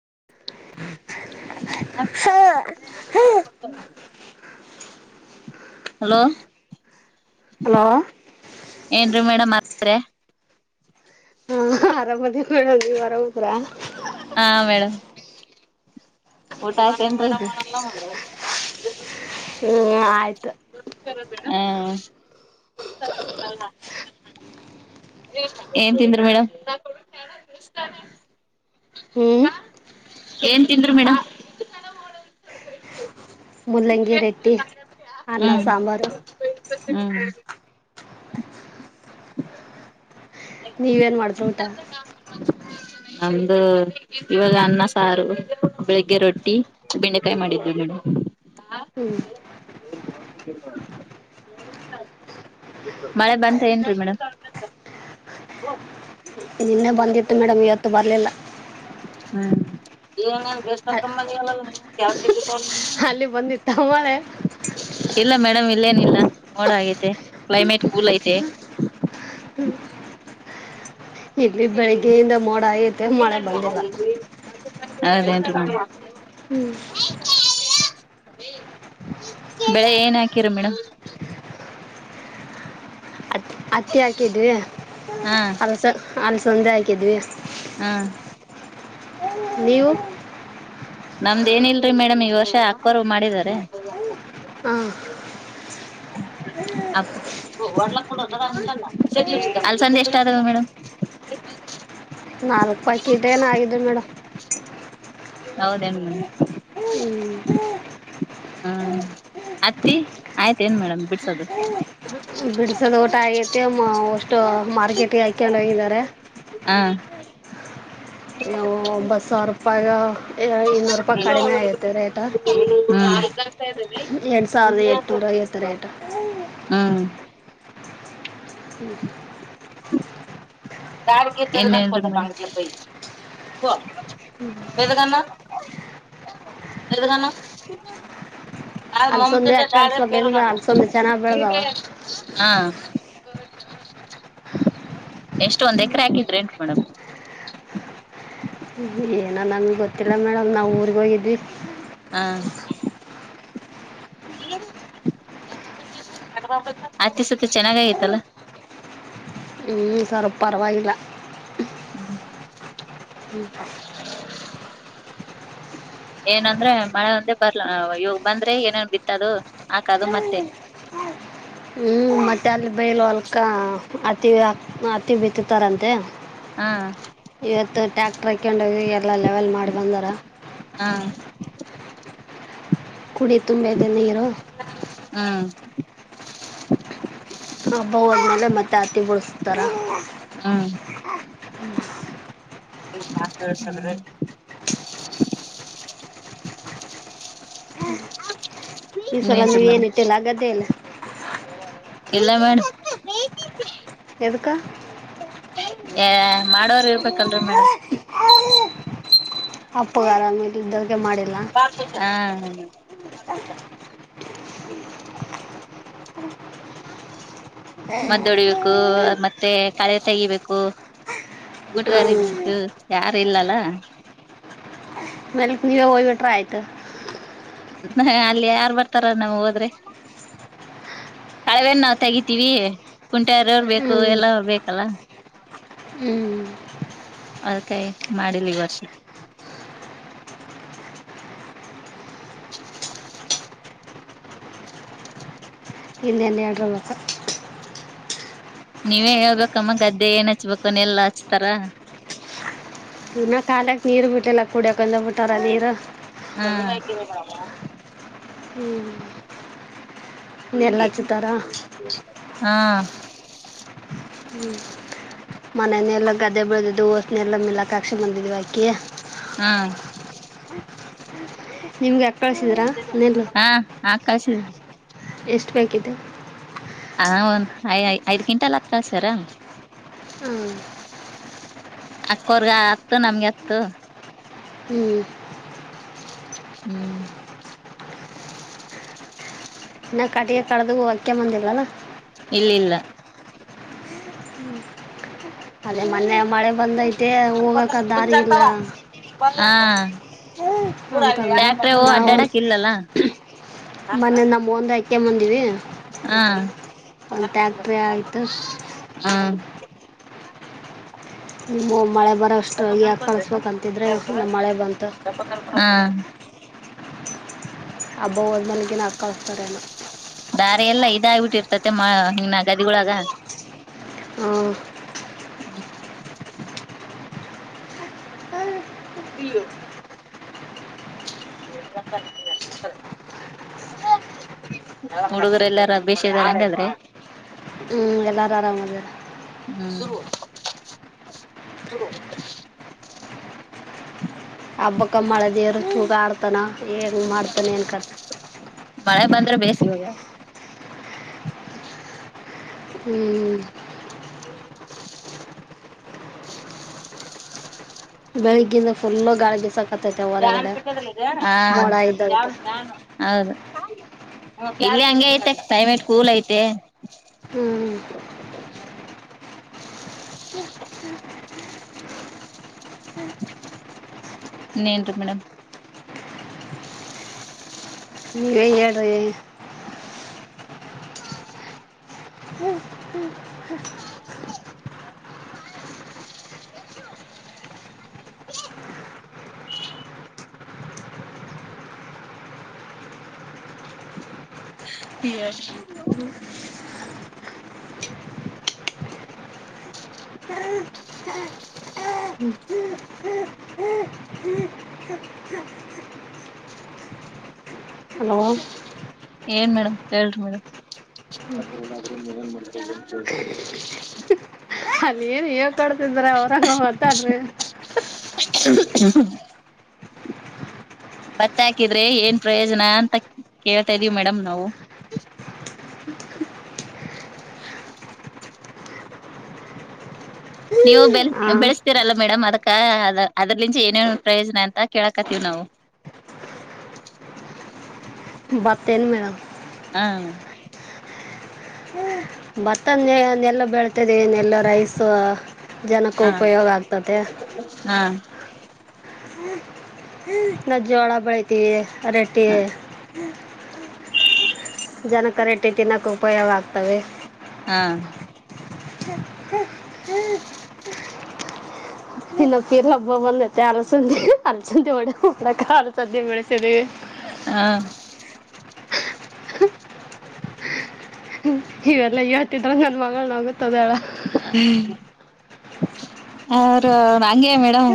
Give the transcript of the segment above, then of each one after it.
[inaudible] Hello. Hello ಏನ್ರಿ madam ಆರಾಮ್ ಇದೀರಾಯ್. ಆರಾಮ್ ಅದೀವಿ ನೋಡು ನೀವು ಆರಾಮ್ ಅದಿರ. ಹಾ ಮೇಡಮ್. ಊಟ ಆಯ್ತು ಎನ್ರಿ. ಹ್ಮ್ ಆಯ್ತು. ಹ್ಮ್. ಏನ್ ತಿಂದ್ರಿ ಮೇಡಮ್. ಹ್ಮ್ ಏನ್ ತಿಂದ್ರಿ ಮೇಡಮ್. ಮುಲ್ಲಂಗಿ ರೊಟ್ಟಿ ಅನ್ನ ಹ್ಮ್. ಸಾಂಬಾರು ಹ್ಮ್ ನೀವ ಏನ್ ಮಾಡಿದ್ರಿ ಊಟ. [inaudible] ನಮ್ದು ಇವಾಗ ಅನ್ನ ಸಾರು, ಬೆಳಿಗ್ಗೆ ರೊಟ್ಟಿ, ಬೆಂಡೆಕಾಯಿ ಮಾಡಿದ್ವಿ ಮೇಡಂ. ಹ್ಮ್. [inaudible] ಮಳೆ ಬಂತ ಏನ್ರಿ ಮೇಡಮ್. ನಿನ್ನೆ ಬಂದಿತ್ತು ಮೇಡಮ್ ಇವತ್ತು ಬರಲಿಲ್ಲ. [unintelligible] ಅಲ್ಲಿ ಬಂದಿತ್ತ ಮಳೆ ಇಲ್ಲ ಮೇಡಮ ಇ ಇಲ್ಲನಿಲ್ಲ ಮೋಡ ಆಗ್ಯತೆ. ಕ್ಲೈಮೇಟ್ ಕೂಲ್ ಐತೆ. ಇಲ್ಲಿ ಬೆಳಿಗ್ಗೆಯಿಂದ ಮೋಡ ಆಗ್ಯತೆ ಮಳೆ ಬಂದಿಲ್ಲ. ಹೌದ ಏನ್ರಿ ಮೇಡಮ್. ಹ್ಮ್. ಬೆಳೆ ಏನ್ ಹಾಕಿರ ಮೇಡಮ್. ಹತ್ ಹತ್ತಿ ಹಾಕಿದ್ವಿ ಹಾ ಅಲಸ ಅಲ್ಲಿಸಂದೆ ಹಾಕಿದ್ವಿ ಹಾ ನೀವು? ನಮ್ದ್ ಏನಿಲ್ರರಿ ಮೇಡಮ್ ಈ ವರ್ಷ ಆಕೋರು ಮಾಡಿದಿದ್ದಾರೆ. ಹಾ. [inaudible] ಅಲ್ಸಂದೆ ಎಷ್ಟ ಆದವ ಮೇಡಮ್. ನಾಲ್ಕು ಪಾಕೀಟ್ ಏನ ಆಗಿದವು ಮೇಡಮ್. ಹೌದ ಏನ್ ಮೇಡಮ್. ಹ್ಮ್ ಹತ್ತಿ ಆಯ್ತ ಏನ್ ಮೇಡಮ್ ಬಿಡ್ಸೋದು. ಬಿಡಿಸೋದ ಊಟ ಆಐತಿ ಅಷ್ಟು ಮಾರ್ಕೆಟ್ಿಗೆ ಹಾಕೊಂಡು ಹೋಗಿದ್ದಾರೆ ಹ ನೀ ಒಂಬತ್ತು ಸಾವಿರ ರೂಪಾಯ ಇನ್ನೂರು ರೂಪಾಯಿ ಕಡಿಮೆ ಆಐತೆ ಹ್ಮ್ ರೇಟ ಎರಡು ಸಾವಿರದ ಎನೂರು ಎತ್ತರ ಆಟು ಾರ್ ಎದಗನ್ನ ಎದಗನ್ನ ಆ ಅಲಸಂದೆ ಮಮ್ಮಿಂದ ಹಾಕಿ ಾರೆರುಗ ಕಳಿಸ್ಬೇಕಂದ್ರೆ ಅಲಸಂದೆ ಚೆನ್ನಾಗಿ ಬೆಳೆದಾವ ಹಾ ಬ ಎಷ್ಟ ಒಂದ್ ಎಕರೆ ಹಾಕಿದ್ರೆ ಎಂಟಟ್ ಮಾಡಕ್ ಏನೋ ನನಗೆ ಗೊತ್ತಿಲ್ಲ ಮೇಡಮ್ ನಾವು ಊರ್ರಿಗೆ ಹೋಗಿದ್ವಿ ಯ ಅತ್ತೆ ಸತಿ ಚೆನ್ನಾಗಾಗಿತಲ್ಲ ಹ್ಮ್ ಸರ್ ಪರವಾಗಿಲ್ಲ ಹ್ಮ ಹ್ಮ ಹ್ಮ್ ಏನಂದ್ರೆ ಮಳೆ ಒಂದೆ ಬರ್ಲ ಇವ ಬಂದ್ರೆ ಏನೇನ್ ಬಿತ್ತದು ಹಾಕದು ಮತ್ತೆ ಹ ಅತ್ತಿ ಹತ್ತಿ ಬಿತ್ತತಾರಂತೆ ಹಾ ಇವತ್ತು ಟ್ಯಾಕ್ಟರ್ ಹಾಕೊಂಡೋಗಿ ಎಲ್ಲಾ ಲೆವೆಲ್ ಮಾಡಿ ಬಂದಾರ ಹಾ ಕುಡಿ ತುಂಬದೆ ನೀರು ಹ್ಮ ಹಬ್ಬವಂದ ಮೇಲೆ ಮತ್ತೆ ಹತಿ ಬಿಡಿಸತಾರ ಹಾ ಹ ಹತ ಈ ನ್ರಿ ಸಲ ಮೇಡಮ್ ನೀವೇನ ಇಟ್ಟಿಲ್ಲ ಹಾಗಗದೇ ಇಲ್ಲ ಇಲ್ಲ ಮೇಡ್ ಎಕ್ಕ ಮಾಡವರ್ ಇರ್ಬೇಕಲ್ರರಿ ಮೇಡಮ್ ಅಪ್ಪುಗಾರ ಮೇಲೆ ಇದ್ದದಕ್ಕೆ ಮಾಡಿಲ್ಲ ಹ್ಮ ಮದ್ದ ಹೊಡಿಬೇಕು ಮತ್ತೆ ಮತ್ತೆ ಕಳೆ ತೆಗಿಬೇಕು ಹ್ಞೂ ಗುಟಗಾರಿ ಬಸಕ್ಕ ಯಾರು ಇಲ್ಲಲ್ಲ ಮಲ್ವ ಹೋಗ್ಬಿಟ್ರ ಆಯ್ತು ಹ ಅಲ್ಲಿ ಯಾರ್ ಬರ್ತಾರ ನಮ್ ಹೋದ್ರೆ ಕಳವೇನ್ ನಾವ್ ತೆಗಿತೀವಿ ಕುಂಟಾರವರು ಬೇಕು ಎಲ್ಲ ಬೇಕಲ್ಲ ಹ್ಮ್ ಅದ್ಕಾಯಿ ಮಾಡಿಲಿ ಈ ವರ್ಷ ಹ [inaudible] ಹಿಂದ ಅಂಡ ಆಡ್ರಲ್ಲಕ ನೀವೇ ಹೇಳ್ಬೇಕಮ್ಮ ಗದ್ದೆ ಏನ್ ಹಚ್ಬೇಕುನ್ನ ಎಲ್ಲ ಹಚ್ತಾರ ಇನ್ನ ಕಾಲಕ್ ನೀರ್ ಬಿಟ್ಟೆಲ್ಲ ಕುಡಿಯಕಂದ ಬಿಟ್ಟಾರ ನೀರು ಹ್ಮ ಹ್ಮ್ ನೆಲ್ಲಾಚ್ಚತಾರ ಹಾ ಮನನೆೆಲ್ಲ ಗದ್ದೆ ಬೆಳೆ್ದ ದೋಸ್ನೆ ಎಲ್ಲ ಮಿಲಾಕಾಕ್ಷಿ ಬಂದಿದ್ವಿಕಿ ಹಾ ನಿಮ್ಗೆ ಯಾಕೆ ಕಳಿಸಿದ್ರಾ ನೆಲ್ಲು ಹಾ ಆಕಶಿ ಎಷ್ಟು ಬೇಕಿದೆ ಹ ಒಂದ ಐ ಐದ್ ಗಿಂಟಲ್ಲಾ ಕಳ್ಸರ. ಹ್ಞೂ ಅಕ್ಕೋರ್ಗ ಅತ್ತು ನಮ್ಗೆ ಅತ್ತು ಹ್ಞೂ ಹ್ಮ್ ನಾ ಕಟಿಗೆ ಕಡ್ದ ಹ ಅಕ್ಕೆ ಬಂದಿಲ್ಲಲ್ಲ ಇಲ್ಲಿಲ್ಲ ಅದೇ ಮೊನ್ನೆ ಮಳೆ ಬಂದೈತೆ ಹೋಗಕ ದಾರಿ ಇಲ್ಲ ಹಾ ಅಂತಂದ್ರು [unintelligible] ನಾವು ಅಡ್ಡಾಡಕ್ ಇಲ್ಲಲ್ಲ ಮೊನ್ನೆ ನಮ್ಮ ಒಂದು ಹಾಕ್ಯಂಬಂದಿವಿ ಹಾ ಒಂದು ಟ್ಯಾಕ್ಟ್ರಿ ಆಯಿತು ಹ್ಮ ನೀಮ್ಮ ಮಳೆ ಬರೋಷ್ಟು ಯಕ ಕಳಿಸ್ಬೇಕಂತಿದ್ರೆ ನಮ್ಮ ಮಳೆ ಬಂತು ಹಾ ಅಬ್ಬಬದ ಮನಗೆ ನು ಕಳತಾರೇನು ದಾರೆ ಎಲ್ಲಾ ಇದ ಆಗಿಬಿಟ್ಟಿರ್ತತೆ ಮ ಗದಿಗಳಳಾಗ ಹ್ಮ್ ಹ್ಮ್ ಇಲ್ಲ ಹ ಹುಡುಗರು ಎಲ್ಲಾರ ಭೇಷಾರಂಗಾದ್ರೆ ಹ್ಮ ಎಲ್ಲಾರು ಆರಾಮ ಅದು ಹ್ಮ್ ಹಬ್ಬಕ್ಕಮ್ಮಳ ದೇವರು ಚೂಗ ಆಡ್ತಾನ ಹೆಂಗ ಮಾಡ್ತಾನೆ ಅನ್ಕತ್ತ ಮಳೆ ಬಂದ್ರೆ ಬೇಸಿಗೆ ಹೋಗ ಹ್ಮ್ ಬೆಳಿಗಿಂದ ಫುಲ್ ಗಾಡಿಗೆ ಸ ಹ ಇದ್ದದಕ್ಕೆ ಹೌದು ಇಲ್ಲಿ ಹಂಗೆ ಐತೆ ಕ್ಲೈಮೇಟ್ ಕೂಲ್ ಐತೆ ಹ್ಮ್ ಹ್ಮ ಹ್ಮ್ ನೇನು ರಿ ಮೇಡಮ್ ನೀವೇ ಹೇಳ್ ರೀ [inaudible] [unintelligible] ಹಲೋ ಏನ್ ಮೇಡಮ್ ಹೇಳ್ರಿ ಮೇಡಮ್ ಆ ತರ ಮ ಮಾಡ [unintelligible] ಅಲ್ಲಿ ಏನ್ ಹೇಗ್ ಕೊಡ್ತಿದ್ರ ಅವ್ರಲ್ ಮಾತಾಡ್ರಿ [unintelligible] ಬತ್ತ ಹಾಕಿದ್ರೆ ಏನ್ ಪ್ರಯೋಜನ ಅಂತ ಕೇಳ್ತಾ ಇದೀವಿ ಮೇಡಮ್ ನಾವು ನೀವು ಬೆ ಹಾ ಬೆಳಸ್ತಿರಲ್ಲ ಮೇಡಮ್ ಅದಕ್ಕ ಅದ್ರಲಿಂ ಏನೇ ಪ್ರಯೋಜನ ಅಂತ ಕೇಳಕತ್ತೀವಿ ನಾವು [inaudible] ಬತ್ತೇನು ಮೇಡಂ. ಹ್ಮ ಭತ್ತ ನೆಲ್ಲ ಬೆಳತದೆನ್ನೆಲ್ಲ ರೈಸು. ಜನಕ್ಕೂ ಹ ಉಪಯೋಗ ಆಗ್ತದೆ. ಹ ನ ಜೋಳ ಬೆಳತೀವಿ ರೆಟ್ಟಿ ಜನಕ ರೇಟ್ಟಿ ತಿನ್ನೋಕ ಉಪಯೋಗ ಆಗ್ತವೆ ಹಾ [inaudible] ಇನ್ನಕಿರ ಹಬ್ಬ ಮ ಎತ್ತ ಆಲ ಆಲ ಒಡಕ ಬೆಳಸಿದವೆ [unintelligible] ಹಾ ಇವೆಲ್ಲಾ ಹೇಳ್ತಿದ್ರ ನನ್ ಮಗಳನ ಆಗುತ್ತದ ಹ್ಮ್ ಅವ ಅಂಗೆ ಮೇಡಮ್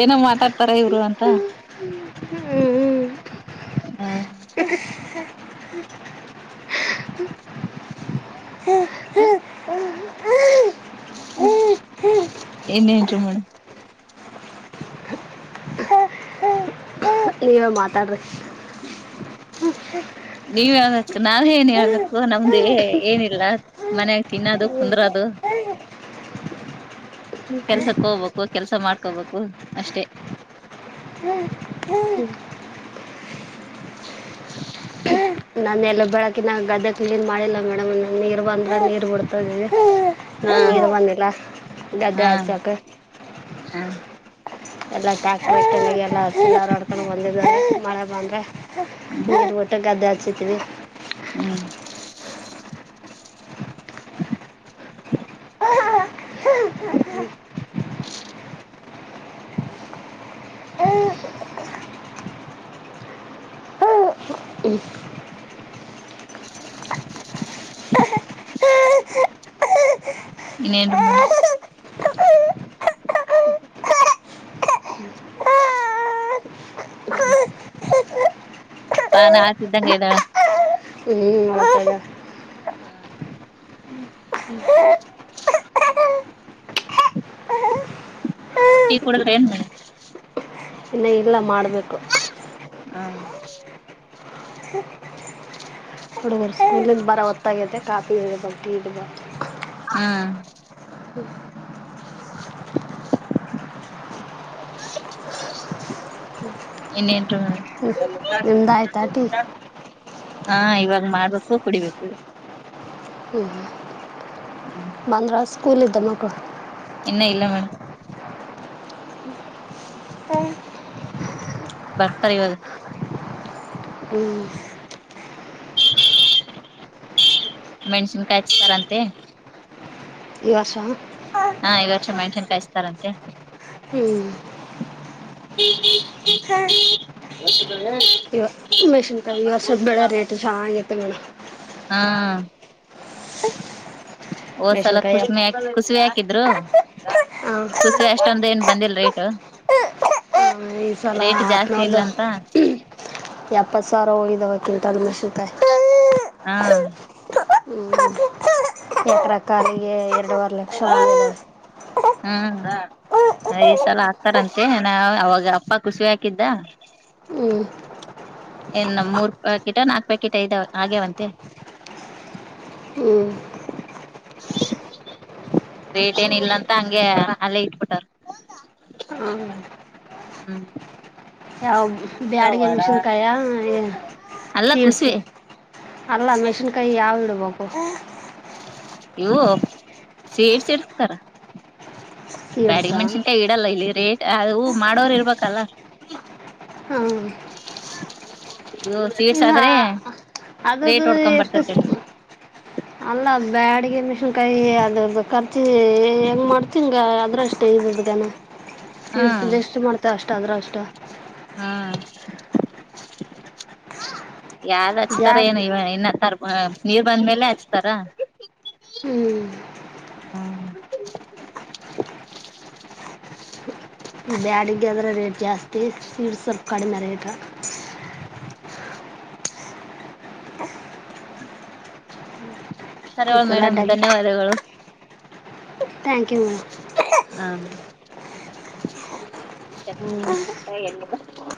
ಏನು ಮಾತಾಡ್ತಾರ ಇವ್ರು ಅಂತ ಹಾ ಏನ್ ಏನ್ರಿ ಮೇಡಮ್ ನೀವೇ ಮಾತಾಡ್ರಿ. [unintelligible] ನೀವ್ ಹೇಳ್ಬೇಕು ನಾನ ಏನ್ ಹೇಳ್ಬೇಕು ನಮ್ದು ಏನಿಲ್ಲ. ಮನ್ಯಾಗ ತಿನ್ನೋದು ಕುಂದ್ರದು. ಕೆಲ್ಸಕ್ ಹೋಗ್ಬೇಕು ಕೆಲ್ಸ ಮಾಡ್ಕೋಬೇಕು ಅಷ್ಟೆ. ಹ್ಮ್ ಹ್ಮ್. ನಾನ ಎಲ್ಲ ಬೆಳಕಿನ ಗದ್ದೆ ಕ್ಲೀನ್ ಮಾಡಿಲ್ಲ ಮೇಡಮ್ ನೀರ್ ಬಂದ್ರೆ ನೀರ್ ಬಿಡ್ತದಿ. [inaudible] ಹಾ ನನ್ನ ದು ಬಂದಿಲ್ಲ ಗದ್ದೆ ಆಚಾಕ. ಹಾ ಎಲ್ಲ ಕಾಕ ಎಲ್ಲಾಾರಾಡ್ಕೊಂಡ ಬಂದಿದ್ದಾರೆ ಮಳೆ ಬಂದ್ರ. ಹ್ಮ್ ರು ಬಟ್ಟೆ ಗಾದೆ ಅಚೂತಿ ವಿ. [inaudible] [inaudible] ಇನ್ನೇನ್ರೀ ಮೇಡಂ. ಹ್ಞೂ ಪಾನ ಆಸಿದ್ದಂಗಗೆ ಇದ್ದಳ. ಹ್ಮ ಟೀ ಕುಡಿದ್ರೆ ಏನ್ ಮಾಡಿ. ಇನ್ನ ಇಲ್ಲ ಮಾಡಬೇಕು. ಹಾ. ಹಡುಗರುಕ ಇಲ್ಲಿಂದ ಬರೋ ಒತ್ತಾಗೈತೆ ಕಾಫಿ ಇಡಬು ಟಿ ಇಡ್ಬು. ಹಾ ಇನ್ನೇನ್ರೀ ನಿಮ್ದು ಆಯ್ತಾ ಟೀ ಮೇಡಂ. ಹಾ ಇವಾಗ ಮಾಡ್ಬೇಕು ಕುಡಿಬೇಕು. ಹ್ಮ ಹ್ಮ್ ಬಂದ್ರ ಸ್ಕೂಲ್ ಇದ್ದ ಮಕ. ಇನ್ನ ಇಲ್ಲ ಮೇಡಮ್. ಬರ್ತಾರೆ ಇವಾಗ. ಹ್ಞೂ ಮೆಣಸನ್ ಕಾಯ ಹಚ್ಚಿದರಂತೆ. ಇವಸ. ಹಾ ಈ ವರ್ಷ ಮೆಣಟನ್ ಕಾಯಿಸಸ್ತಾರಂತೆ. ಹ್ಮ್. ಹ್ಮ್ ಹ್ಮ. [unintelligible] ಇ ಮಷನ್ಕಾಯ ವಸ ಬಳ ರೇಟ್ ಸತ್ತುಗ. ಹಾ ಹೋದ್ಸಲ ಮೆಣಸಿನ್ಕಾಯಿ ಅಪ್ಪ ಕುಸವಿ ಕುಸಿವಿ ಹಾಕಿದ್ರು ಹಾಂ ಕುಸಿವ ಅಷ್ಟೊಂದ ನ್. ಬಂದಿಲ್ ರೇಟ್. ಈ ಸಲ ರೇಟ್ ಜಾಸ್ತಿ ಹತ್ನೋದ. ಇಲ್ಲ ಅಂತ ಎಪ್ಪತ್ತು ಸಾವಿರ ಹೋಗಿದ್ದಾವಕ್ಕಿಂತಲ್ ಮಷತಾಯ. ಹಾ [unintelligible] ಹ್ಞ ಎಕರ ಕಾಲಿಗೆ ಎರಡೂುವರೆ ಲಕ್ಷ ಮಂದ. ಹ್ಮಾ. ಈ ಸಲ ಹಾಕ್ತಾರಂತೆ ನ ಅವಾಗ ಅಪ್ಪ ಖುಷಿ ಹಾಕಿದ್ದ ಹ್ಮ್ ಏನ್ ನಮ ಮೂರ್ ಪ್ಯಾಕೆಟ್ ನಾಕ್ ಪ್ಯಾಕೆಟ್ ಐದವಂತೆ ಹ್ಮ. ರೇಟ್ ಏನ ಇಲ್ಲ ಅಂತ ಹಂಗೆ ಅಲ್ಲೇ ಇಟ್ಬಿಟ್ಟಾರ. ಹಾಂ ಹ್ಮ್. ಯಾವ ಬ್ಯಾಡಿಗೆ ಮಿಷಿನ್ಕಾಯ ಅಲ್ಲ ಸೀಡ್ಸ್. ಕುಸುವೆ ಅಲ್ಲ ಮೆಷಿನ್ಕಾಯಿ ಯಾವ್ ಇಡ್ಬೇಕು. ಇವು ಸೇಡ್ಸೇಡ್ಸ್ತಾರ. ಬ್ಯಾಡಿಗೆ ಸೀಡ್ಸಾ ಮಣಷಿನ್ಕಾಯ ಇಡಲ್ಲ ಇಲ್ಲಿರಿ. ಅದು ಮಾಡೋರ್ ಇರ್ಬೇಕಲ್ಲ. ಹಾಂ ಸೀಡ್ಸ್ ಇಲ್ಲ ಆದ್ರೆ ಅದದು ರೇಟ್ ಹೊಡ್ಕೊಂಡ್ ಎಷ್ಟು ಬರ್ತತಿ ಅಲ್ಲದು. ಬ್ಯಾಡಿಗೆ ಮೆಣಸಿನಕಾಯಿ ಅದರದ ಖರ್ಚಿ ಹೆಂಗ್ ಮಾಡ್ತಂಗ ಅದ್ರಷ್ಟೇ ಇದ ಗನ ಸೀಡ್ಸ್ ಹ್ಮ್ ಅಂದ ಎಷ್ಟು ಮಾಡ್ತಾರ ಅಷ್ಟ ಅಂದ್ರ ಅಷ್ಟ ಯದ್ ಹಚ್ತಾರ ಏನು ಜಾಸ್ತಿ ಇವ ಇನ್ನ ತರ್ ಹ ನೀರ್ ಬಂದ್ಮೇಲೆ ಹಚ್ಚತರ ಹ್ಮ [inaudible] ಬ್ಯಾಡಿಗೆ ಅದ್ರ ರೇಟ್ ಜಾಸ್ತಿ ಸಿಡ್ಸ್ ಸ್ವಲ್ಪ ಕಡಿಮೆ ರೇಟ್ ಈ ಸರಿವಳ ಸಲ ಮೇಡಮ್ ಡಬ್ ಧನ್ಯವಾದಗಳು ಥ್ಯಾಂಕ್ ಯು ಮ್ಯಾಮ್ ಹ್ಮ ಎ [unintelligible]